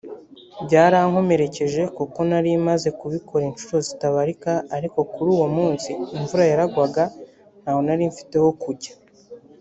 Byarankomerekeje kuko nari maze kubikora inshuro zitabarika ariko kuri uwo munsi imvura yaragwaga ntaho nari mfite ho kujya